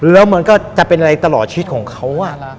แล้วมันก็จะเป็นอะไรตลอดชีวิตของเขา